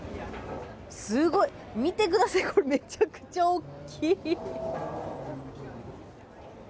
すごい、見てください、これ、めちゃくちゃおっきい。